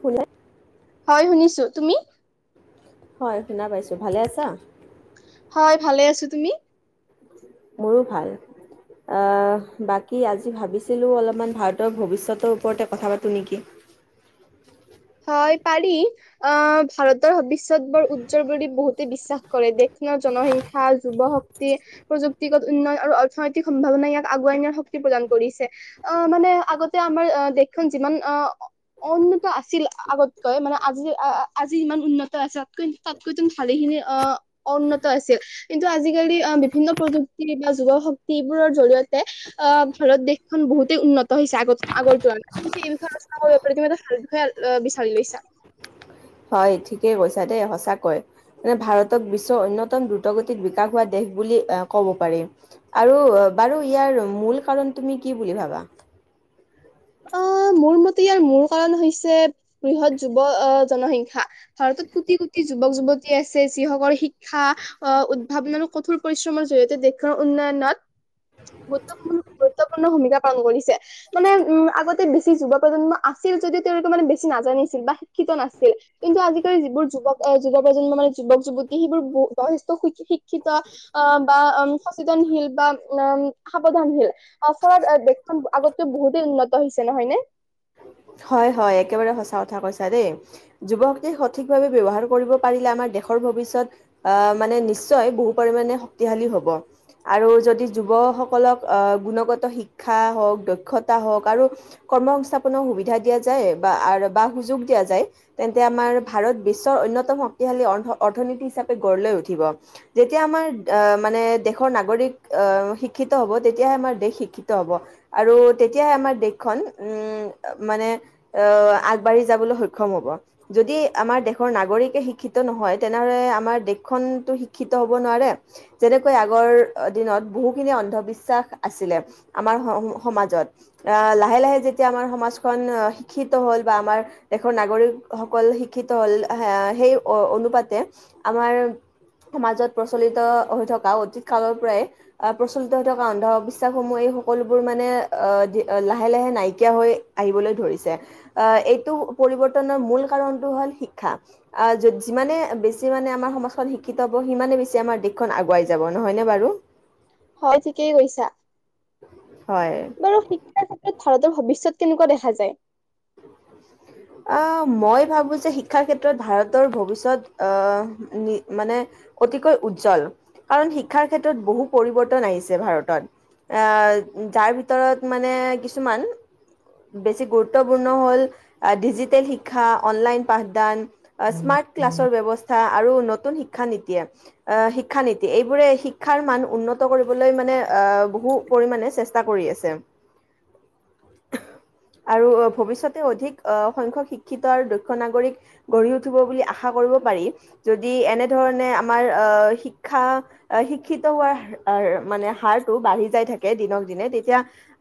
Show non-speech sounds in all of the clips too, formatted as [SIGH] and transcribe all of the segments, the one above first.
ফুলে। হয়। শুনিছো। তুমি? হয়। শুনা পাইছো। ভালে আছা? হয়। ভালে আছো। তুমি? মইও ভাল অ', বাকী আজি ভাবিছিলো। অলপমান ভাৰতৰ ভৱিষ্যতৰ ওপৰতে কথা পাতোঁ নেকি? হয় পাৰি। আহ ভাৰতৰ ভৱিষ্যত বৰ উজ্জ্বল বুলি বহুতে বিশ্বাস কৰে। দেশখনৰ জনসংখ্যা [UNINTELLIGIBLE] যুৱ শক্তি প্ৰযুক্তিগত উন্নয়ন আৰু অৰ্থনৈতিক সম্ভাৱনা ইয়াক আগুৱাই নিয়াত শক্তি প্ৰদান কৰিছে। অ', মানে আগতে আমাৰ দেশখন যিমান অ, উন্নত আছিল। আগতকৈ মানে আজি আজি ইমান উন্নত আছে। তাতকৈ তুমি ভালেখিনি অ, অউন্নত আছিল। কিন্তু আজিকালি বিভিন্ন প্ৰযুক্তি বা যুৱ শক্তিবোৰৰ জৰিয়তে অ', ভাৰত দেশখন বহুতেই উন্নত হৈছে, আগত আগৰ তুলনাত। তুমি সেই বিষয়ে আলোচনা কৰিব পাৰা তুমি এটা ভাল বিষয় বিচাৰি লৈছা। হয়। ঠিকেই কৈছা দেই, সঁচাকৈ। যে ভাৰতক বিশ্বৰ অন্যতম দ্ৰুতগতিত বিকাশ হোৱা দেশ বুলি এ কব পাৰি। আৰু বাৰু ইয়াৰ মূল কাৰণ তুমি কি বুলি ভাবা আহ মোৰ মতে ইয়াৰ মূল কাৰণ হৈছে, বৃহৎ যুৱ আহ জনসংখ্যা। ভাৰতত কোটি কোটি যুৱক যুৱতী আছে। যিসকল শিক্ষা অ', উদ্ভাৱন আৰু কঠোৰ পৰিশ্ৰমৰ জৰিয়তে দেশখনৰ উন্নয়নত গুৰুত্বপূৰ্ণ গুৰুত্বপূৰ্ণ ভূমিকা পালন কৰিছে। মানে উম, আগতে বেছি যুৱ প্ৰজন্ম আছিল। যদিও তেওঁলোকে মানে বেছি নাজানিছিল বা শিক্ষিত নাছিল। কিন্তু আজিকালি যিবোৰ যুৱক যুৱ প্ৰজন্ম মানে যুৱক যুৱতী সেইবোৰ যথেষ্ট শিক্ষিত অ', বা উ সচেতনশীল বা উ বা সাৱধানশীল। অ', ফলত দেশখন আগতো বহুতেই উন্নত হৈছে নহয় ন? হয়। হয়। একেবাৰে সঁচা কথা কৈছা দেই। যুৱকে সঠিকভাৱে ব্যৱহাৰ কৰিব পাৰিলে। আমাৰ দেশৰ ভৱিষ্যত আ', মানে নিশ্চয় বহু পৰিমাণে শক্তিশালী হব। আৰু যদি যুৱসকলক গুণগত শিক্ষা হওক দক্ষতা হওক আৰু কৰ্ম সংস্থাপনৰ সুবিধা দিয়া যায় বা সুযোগ দিয়া যায়। তেন্তে আমাৰ ভাৰত বিশ্বৰ অন্যতম শক্তিশালী অৰ্থনীতি হিচাপে গঢ় লৈ উঠিব। যেতিয়া আমাৰ আহ মানে দেশৰ নাগৰিক আহ শিক্ষিত হব তেতিয়াহে আমাৰ দেশ শিক্ষিত হ'ব। আৰু তেতিয়াহে আমাৰ দেশখন উম, মানে আহ আগবাঢ়ি যাবলৈ সক্ষম হ'ব। যদি আমাৰ দেশৰ নাগৰিকে শিক্ষিত নহয়। তেনেহলে আমাৰ দেশখনতো শিক্ষিত হব নোৱাৰে। যেনেকৈ আগৰ দিনত বহু খিনি অন্ধবিশ্বাস আছিলে। আমাৰ সমাজত আ, লাহে লাহে যেতিয়া আমাৰ সমাজখন শিক্ষিত হ'ল বা আমাৰ দেশৰ নাগৰিকসকল শিক্ষিত হল আহ সেই অনুপাতে আমাৰ সমাজত প্ৰচলিত হৈ থকা অতীত কালৰ পৰাই। আহ প্ৰচলিত হৈ থকা অন্ধবিশ্বাসসমূহ এই সকলোবোৰ মানে আ, লাহে লাহে নাইকিয়া হৈ আহিবলৈ ধৰিছে আহ এইটো পৰিৱৰ্তনৰ মূল কাৰণটো হল শিক্ষা যিমানে বেছি মানে আমাৰ সমাজখন শিক্ষিত হ'ব সিমানে বেছি আমাৰ দেশখন আগুৱাই যাব নহয়নে বাৰু? হয়, ঠিকেই কৈছা। হয়। আৰু শিক্ষাৰ ক্ষেত্ৰত ভাৰতৰ ভৱিষ্যত কেনেকুৱা দেখা যায়? [INAUDIBLE] আহ, মই ভাবো যে, শিক্ষাৰ ক্ষেত্ৰত ভাৰতৰ ভৱিষ্যত আহ মানে অতিকৈ উজ্জল। কাৰণ শিক্ষাৰ ক্ষেত্ৰত বহু পৰিৱৰ্তন আহিছে ভাৰতত। যাৰ ভিতৰত মানে কিছুমান বেছি গুৰুত্বপূৰ্ণ হ'ল- ডিজিটেল শিক্ষা, অনলাইন পাঠদান স্মাৰ্ট ক্লাছৰ ব্যৱস্থা আৰু নতুন শিক্ষা নীতিয়ে। শিক্ষা নীতি। এইবোৰে শিক্ষাৰ মান উন্নত কৰিবলৈ মানে বহু পৰিমানে চেষ্টা ষ্টা কৰি আছে আৰু ভৱিষ্যতে অধিক আহ, সংখ্যক শিক্ষিত আৰু দৈক্ষ নাগৰিক গঢ়ি উঠিব বুলি আশা কৰিব পাৰি। যদি এনেধৰণে আমাৰ আহ শিক্ষা শিক্ষা, শিক্ষিত হোৱাৰ [UNINTELLIGIBLE] মানে হাৰটো বাঢ়ি যাই থাকে দিনক-দিনে তেতিয়া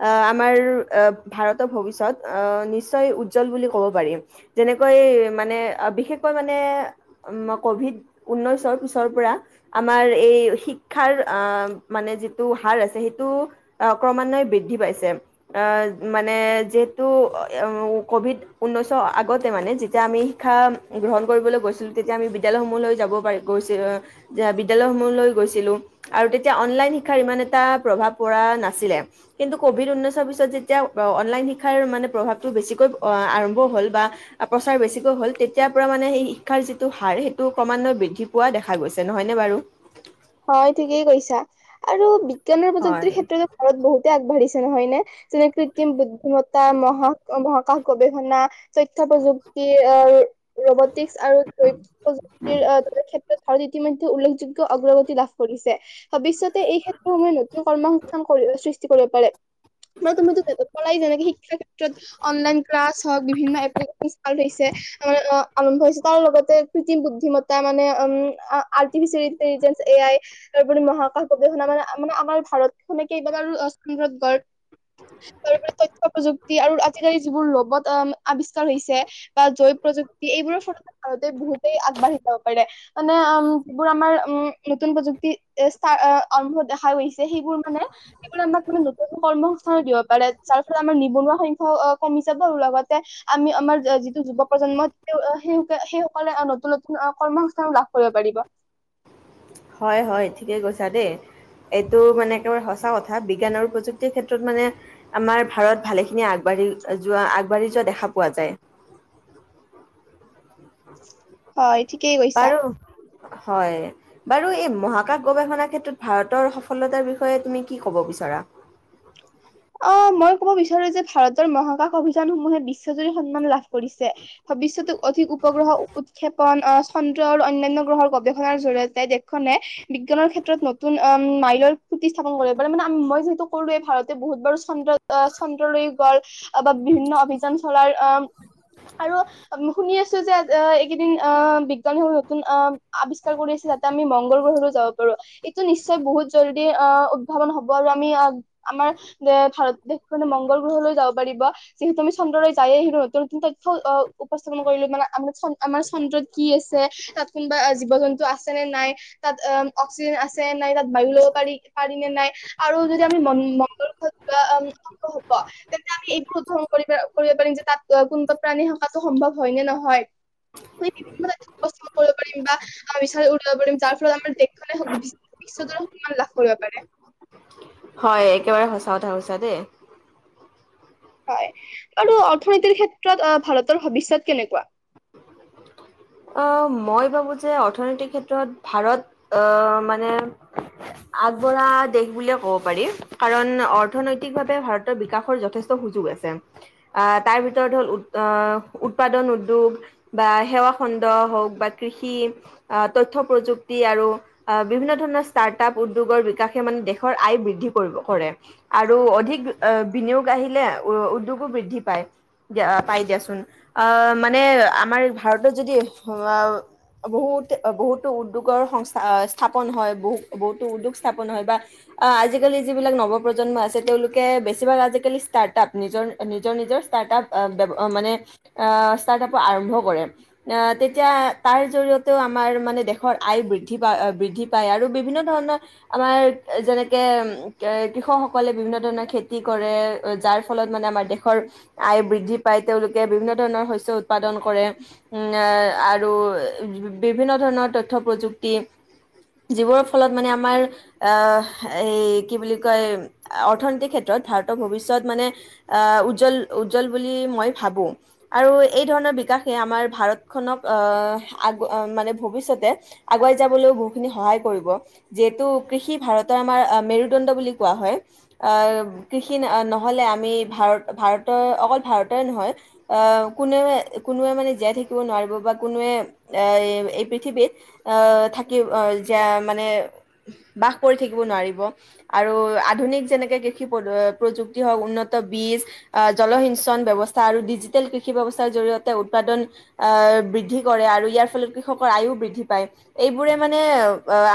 আহ, আমাৰ আহ ভাৰতৰ ভৱিষ্যত আহ, নিশ্চয় উ উজ্জ্বল বুলি ক'ব পাৰি। যেনেকৈ মানে বিশেষকৈ মানে উম, কভিড, ঊনৈশৰ পিছৰ পৰা আমাৰ এই শিক্ষাৰ আহ মানে যিটো হাৰ আছে, সেইটো আহ ক্ৰমান্বয়ে বৃদ্ধি পাইছে। আহ, মানে যিহেতু কভিড ঊনৈশৰ আগতে মানে, যেতিয়া আমি শিক্ষা গ্ৰহণ কৰিবলৈ গৈছিলো, তেতিয়া আমি বিদ্যালয়সমূহলৈ যাব পাৰিম। গৈছিল বিদ্যালয়সমূহলৈ গৈছিলোঁ। আৰু তেতিয়া অনলাইন শিক্ষাৰ ইমান এটা প্ৰভাৱ পৰা নাছিলে। কিন্তু কভিড উঊনৈশৰ পিছত যেতিয়া অনলাইন শিক্ষাৰ মানে প্ৰভাৱটো বেছিকৈ আৰম্ভ হ'ল বা প্ৰচাৰ বেছিকৈ হ'ল, তেতিয়াৰ পৰা মানে এই শিক্ষাৰ যিটো হাৰ, সেইটো ক্ৰমান্বয় বৃদ্ধি পোৱা দেখা গৈছে, নহয়নে বাৰু! হয়, ঠিকেই কৈছা, আৰু বিজ্ঞান আৰু প্ৰযুক্তিৰ হয়। ক্ষেত্ৰত ভাৰত বহুতে আগবাঢ়িছে নহয়নে! যেনে কৃত্ৰিম বুদ্ধিমত্তা, মহা মহ হাকাশ গৱেষণা, তথ্য প্ৰযুক্তি ৰবৰ্তিকচ আৰু [UNINTELLIGIBLE] ক্ষেত্ৰত ভাৰত ইতিমধ্যে উল্লেখযোগ্য অগ্ৰগতি লাভ কৰিছে। ভৱিষ্যতে এই ক্ষেত্ৰসমূহে নতুন কৰ্ম সংস্থান সৃষ্টি কৰিব পাৰে। [UNINTELLIGIBLE] তুমি [UNINTELLIGIBLE] ক'লাই যেনেকে শিক্ষাৰ ক্ষেত্ৰত অনলাইন ক্লাছ হওক, বিভিন্ন এপ্লিকেশন ষ্টাৰ্ট হৈছে আৰম্ভ হৈছে, তাৰ লগতে কৃত্ৰিম বুদ্ধিতা মানে উম, আৰ্টিফিচিয়েল ইন্টেলিজেঞ্চ, এ আই তাৰপৰি মহাকাশ গৱেষণা মানে, মানে আমাৰ ভাৰত খনে কেইবাৰ আৰু [UNINTELLIGIBLE] তাৰপৰি তথ্য প্ৰযুক্তি আৰু আজিকালি যিবোৰ ৰবট আৱিষ্কাৰ হৈছে বা জৈৱ প্ৰযুক্তি, এইবোৰৰ ফলত ভাৰতে বহুতেই আগবাঢ়ি যাব পাৰে। মানে উম, যিবোৰ আমাৰ উম, নতুন প্ৰযুক্তি ষ্টাৰ্ট আৰম্ভ দেখা গৈছে, সেইবোৰ মানে [UNINTELLIGIBLE] আমাক মানে নতুন কৰ্মসংস্থাপন দিব পাৰে, যাৰ ফলত আমাৰ নিবনুৱা সংখ্যাও কমি যাব আৰু লগতে আমি আমাৰ যিটো যুৱ-প্ৰজন্ম সেই -সেই সকলে নতুন-নতুন কৰ্মসংস্থাপন লাভ কৰিব পাৰিব। হয়, হয়জ ঠিকে কৈছা দেই। এইটো মানে একেবাৰে সঁচা কথা, বিজ্ঞান আৰু প্ৰযুক্তিৰ ক্ষেত্ৰত মানে আমাৰ ভাৰত ভালেখিনি আগবাঢ়ি যোৱা, আগবাঢ়ি যোৱা দেখা পোৱা যায়। হয়। ঠিকেই কৈছা বাৰু হয়। বাৰু এই মহাকাশ গৱেষণাৰ ক্ষেত্ৰত ভাৰতৰ সফলতাৰ বিষয়ে তুমি কি ক'ব বিচাৰা। অ মই ক'ব বিচাৰো যে ভাৰতৰ মহাকাশ অভিযানসমূহে বিশ্বজুৰি সন্মান লাভ কৰে। কৰিছে ভবিষ্যতে অধিক উপগ্ৰহ উৎক্ষেপন অ খন্দ্ৰ আৰু অনান্য গ্ৰহৰ গৱেষণাৰ জৰিয়তে দেশখনে বিজ্ঞানৰ ক্ষেত্ৰত নতুন অ মাইলৰ। প্ৰতি স্থাপন কৰিবাৰে মানে মই যিহেতো কৰোৱে ভাৰতে বহুত বাৰ। চন্দ্ৰ চন্দ্ৰ লৈয়ো গ'ল বা বিভিন্ন অভিযান চলাৰ অ আৰু শুনি আছোঁ যে আ এইকেইদিন আহ বিজ্ঞানী হৰু নতুন আ। আৱিষ্কাৰ কৰি আছে তাতে আমি মংগল গ্ৰহলৈয় যাব পাৰো। টো নিশ্চয় বহুত জৰুৰী অ উদ্ভাৱন হ'ব আৰু আমি। আমাৰ যে ভাৰত দেশখনে মংগল গ্ৰহলৈ যাব পাৰিব। যিহেতু আমি চন্দ্ৰলৈ যায়েই আহিলো নতুন নতুন তথ্য অ উপস্থাপন কৰিলোঁ মানে আৰু আমি আমাৰ চন্দ্ৰত। কি আছে তাত কোনোবা জীৱ জন্তু আছে নে নাই? তাত অ অক্সিজেন আছে নাই তাত বায়ু ল'ব পাৰি পাৰি নে নাই আৰু যদি আমি মন। মংগল হক বা উম অংক হক। তেন্ত এইবোৰ উদ্ং কৰিব কৰিব পাৰিম যে তাত কোনোবা প্ৰাণী ঠকাতটো সম্ভৱ নে নহয়। বিভিন্ন জাতিত পস্তুত কৰিব পাৰিব বা। বিশাল উঠিব পিম যাৰ ফলত আাৰ দেশখনে হক বিশ বিশ্বতৰে সন্মান লাভ কৰিব পাৰে। হয় একেবাৰে সঁচা কথা কৈছা দেই। হয় অৰ্থনীতিৰ ক্ষেত্ৰত ভাৰতৰ ভৱিষ্যত কেনেকুৱ? অ মই ভাবোঁ যে অৰ্থনৈতিক ক্ষেত্ৰত ভাৰত অ মানে আগবঢ়া দেশ বুলিয়ে ক'ব পাৰি। কাৰণ অৰ্থনৈতিকভাৱে ভাৰতৰ বিকাশৰ যথেষ্ট সুযোগ আছে। আহ তাৰ ভিতৰত হ'ল অ উ উৎপাদন উদ্যোগ বা সেৱা। খন্দ হওঁক বা কৃষি তথ্য প্ৰযুতি আৰু আহ বিভিন্ন ধৰণৰ ষ্টাৰ্টআপ উদ্যোগৰ বিকাশে মানে দেশৰ আয় বৃদ্ধি কৰিব কৰে। আৰু অধিক বিনিয়োগ আহিলে উ উদ্যোগো বৃদ্ধি পায়। দিয়া পাই দিয়াচোন আ মানে আমাৰ ভাৰতত যদি বহুত বহুতো উদ্যোগৰ সংস্থা স্থাপন হয় বহু বহুতো উদ্যোগ স্থাপন হয় বা। আ আজিকালি যিবিলাক নৱপ্ৰজন্ম আছে তেওঁলোকে বেছিভাগ আজিকালি ষ্টাৰ্ট আপ নিজৰ নিজৰ নিজৰ ষ্টাৰ্ট আপ মানে ষ্টাৰ্ট আপ আৰম্ভ কৰে। তেতিয়া তাৰ জৰিয়তেও আমাৰ মানে দেশৰ আয় বৃদ্ধি পায় বৃদ্ধি পায় আৰু বিভিন্ন ধৰণৰ। আমাৰ যেনেকে উ এ কৃষকসকলে বিভিন্ন ধৰণৰ খেতি কৰে। যাৰ ফলত মানে আমাৰ দেশৰ। আয় বৃদ্ধি পাই তেওঁলোকে বিভিন্ন ধৰণৰ শস্য উৎপাদন কৰে। উম আৰু বিভিন্ন ধৰণৰ তথ্য প্ৰযুক্তি। যিবোৰৰ ফলত মানে আমাৰ। আহ এই কি বুলি কয় অৰ্থনৈতিক ক্ষেত্ৰত ভাৰতৰ ভৱিষ্যয়ত মানে। আহ উজ্জ্বল উজ্জ্বল বুলি মই ভাবো আৰু এই ধৰণৰ। বিকাশে আমাৰ। ভাৰতখনক আ আগ মানে ভৱিষ্যতে। আগুৱাই যাবলৈও বহুত খিনি সহায় কৰিব। যিহেতু কৃষি ভাৰতৰ আমাৰ আ মেৰুদণ্ড বুলি কোৱা হয়। আ কৃষি নহ'লে আমি ভাৰত ভাৰতৰ অকল ভাৰতৰে নহয়। আ কোনোৱে কোনোৱে মানে জীয়াই থাকিব নোৱাৰিব বা কোনোৱে আ এই। পৃথিৱীত আ থাকি যে মানে বাস কৰি থাকিব নোৱাৰিব। আৰু আধুনিক যেনেকে কৃষি প্ৰযুক্তি হওঁক উন্নত বীজ। জলসিঞ্চন ব্যৱস্থা আৰু ডিজিটেল কৃষি ব্যৱস্থাৰ জৰিয়তে উৎপাদন বৃদ্ধি কৰে আৰু ইয়াৰ ফলত কৃষকৰ আয়ো বৃদ্ধি পায়। এইবোৰে মানে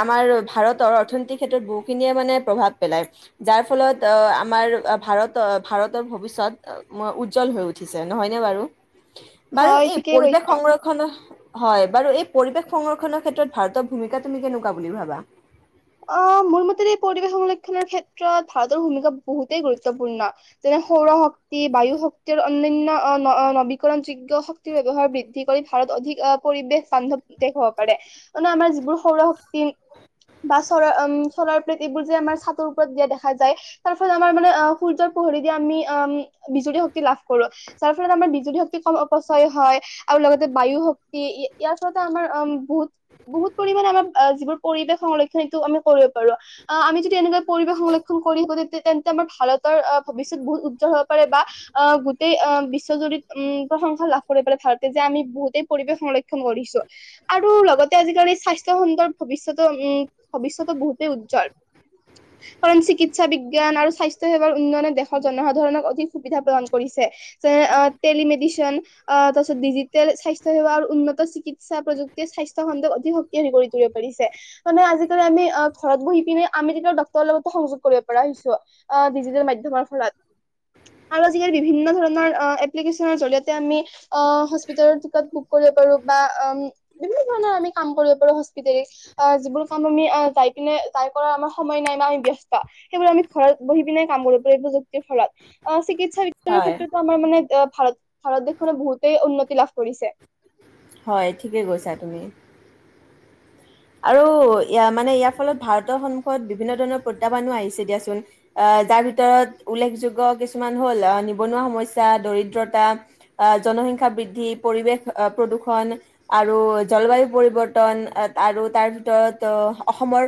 আমাৰ ভাৰতৰ অৰ্থনীতিৰ ক্ষেত্ৰত বহুখিনিয়ে মানে প্ৰভাৱ পেলায়। যাৰ ফলত আমাৰ ভাৰত ভাৰতৰ ভৱিষ্যত উজ্জ্বল হৈ উ উঠিছে নহয়নে বাৰু, বাৰু হয় এই ঠিকেই পৰিৱেশ কৈছা। সংৰক্ষণ হয়, বাৰু এই পৰিৱেশ সংৰক্ষনৰ ক্ষেত্ৰত ভাৰতৰ ভূমিকা তুমি কেনেকুৱা বুলি ভাবা? অ' মোৰ মতে পৰিৱেশ সংৰক্ষনৰ ক্ষেত্ৰত ভাৰতৰ ভূমিকা বহুতেই গুৰুত্বপূৰ্ণ। যেনে সৌৰ শক্তি, বায়ু শক্তি অনান্য অ নবীকৰণ যোগ্য শ ব্যৱহাৰ বৃদ্ধি কৰি ভাৰত অধিক পৰিৱেশ বান্ধৱ দেশ হব পাৰে। অ আমাৰ যিবোৰ সৌৰ শক্তি। বা চৰ চলাৰ প্লেট এইবোৰ যে আমাৰ চাতৰ ওপৰতযে দেখা যায়। তাৰ ফলত আমাৰ মানে সূৰ্যৰ পোহৰে দি আমি বিজুলী শক্তি লাভ কৰো। যাৰ ফলত আমাৰ বিজুলী শক্তি কম অপচয় হয়। আৰু লগতে বায়ু শক্তি, ইয়াৰ ফলতে আমাৰ বহুত বহুত পৰিমাণে আমাৰ যিবোৰ পৰিৱেশ সংল সেটো আমি কৰিব পাৰো, অ আমি যদি এনেকুৱা পৰিৱেশ সংৰক্ষণ কৰি তেতিয়া আমাৰ ভাৰতৰ অ ভৱিষ্যত বহুত উজ্জ্বল হব পাৰে, বা আ গোটেই আ বিশ্বজুৰিত উম প্ৰশংসা লাভ কৰিব পাৰে ভাৰতে, যে আমি বহুতেই পৰিৱেশ সংৰক্ষণ কৰিছো। আৰু লগতে আজিকালি স্বাস্থ্য খণ্ডৰ ভৱিষ্যতো উম ভৱিষ্যতত বহুতেই উজ্জ্বল। [INAUDIBLE] কাৰণ চিকিৎসা বিজ্ঞান আৰু স্বাস্থ্য সেৱাৰ উন্নয়নে দেশৰ জনসাধাৰণক অধিক সুবিধা প্ৰদান কৰিছে। যে টেলিমেডিচন। আ তাৰপাছত ডিজিটেল স্বাস্থ্য সেৱা আৰু উন্নত চিকিৎসা প্ৰযুক্তিয়ে স্বাস্থ্য খণ্ডক অধিক শক্তিশালী কৰি তুলিব পাৰিছে। মানে আজিকালি আমি ঘৰত বহি পিনে আমি কেতিয়াও ডক্তৰৰ লগতো সংযোগ কৰিব পৰা হৈছো। অ' ডিজিটেল মাধ্যমৰ ফলত। আৰু আজিকালি বিভিন্ন ধৰণৰ এপ্লিকেশচনৰ জৰিয়তে আমি অ হস্পিতেলৰ টিকট বুক কৰিব পাৰো, বা অ বিভিন্ন ধৰণৰ আমি কাম কৰিব পাৰো, হস্পিতেলিচ আ যিবোৰ কাম আমি যাই পিনে তাই কৰাৰ আমাৰ সময় নাই বা আমি ব্যস্ত। সেইবোৰ আমি ঘৰত বহি পিনে কাম কৰো পাৰোঁ প্ৰযুক্তিৰ ফলত, আ চিকিৎসা হয়। ক্ষেত্ৰতো আমাৰ মানে ভাৰত ভাৰত দেশখনে বহুতেই উন্নতি লাভ কৰিছে। হয়' ঠিকে কৈছা তুমি। আৰু ইয়া মানে ইয়াৰ ফলত ভাৰতৰ সন্মুখত বিভিন্ন ধৰণৰ প্ৰত্যাহ্বানো আহিছে দিয়াচোন। আ যাৰ ভিতৰত উল্লেখযোগ্য কিছুমান হ'ল, আ নিবনুৱা সমস্যা, দৰিদ্ৰতা। জনসংখ্যা বৃদ্ধি, পৰিৱেশ প্ৰদূষণ। আৰু জলবায়ু পৰিৱৰ্তন আৰু তাৰ ভিতৰত অসমৰ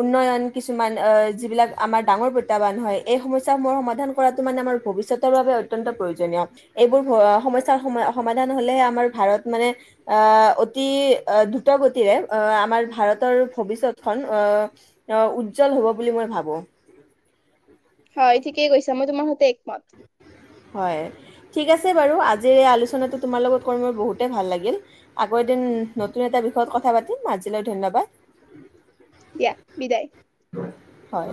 উন্নয়ন কিছুমান আ যিবিলাক আমাৰ ডাঙৰ প্ৰত্যাহ্বান হয়, এই সমস্যাসমূহ সমাধান পঢ়াটো মানে আমাৰ ভৱিষ্যতৰ বাবে অত্যন্ত প্ৰয়োজনীয়। এইবোৰ সমস্যাৰ সমাধান হ'লেহে আমাৰ ভাৰত মানে আ অতি অ দ্ৰুত গতিৰে আমাৰ ভাৰতৰ ভৱিষ্যতখন উজ্জ্বল হ'ব বুলি মই ভাবোঁ। হয় ঠিকেই কৈছা, মই তোমাৰ হতে একমত। হয় ঠিক আছে বাৰু, আজিৰ এই আলোচনাটো তোমাৰ লগত কৰ মোৰ বহুতেই ভাল লাগিল। আকৌ এদিন নতুন এটা বিষয়ত কথা পাতিম আজিলৈ ধন্যবাদ। দিয়া বিদায়। হয়।